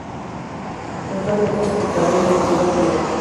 Actualmente es el portador de la entidad Ion.